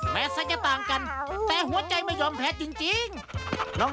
แมทซักอย่างกันแต่หัวใจไม่ยอมแพ้จริง